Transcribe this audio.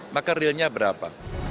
maka realnya berapa